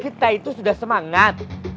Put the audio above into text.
kita itu sudah semanat